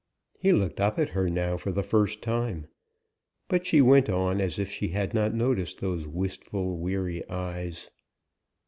He looked up at her now, for the first time; but she went on as if she had not noticed those wistful, weary eyes.